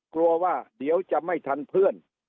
กลัวว่าเดี๋ยวจะไม่ทันเพื่อน